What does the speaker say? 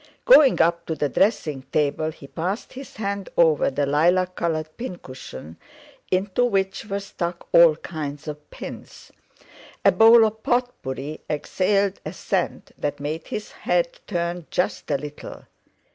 Going up to the dressing table he passed his hand over the lilac coloured pincushion, into which were stuck all kinds of pins; a bowl of pot pourri exhaled a scent that made his head turn just a little.